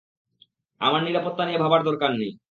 আমার নিরাপত্তা নিয়ে ভাবার দরকার নেই!